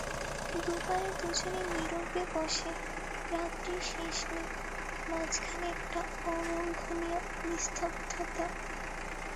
দু পারে দুজনে নীরবে বসে– রাত্রির শেষ নেই– মাঝখানে একটা অলঙ্ঘনীয় নিস্তব্ধতা!